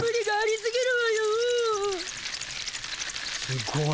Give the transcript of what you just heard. すごい。